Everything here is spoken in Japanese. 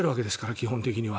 基本的には。